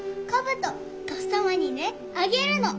とっさまにねあげるの。